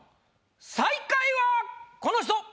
最下位はこの人！